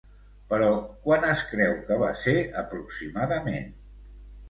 Però quan es creu que va ser, aproximadament?